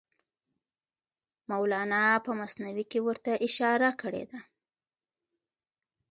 مولانا په مثنوي کې ورته اشاره کړې ده.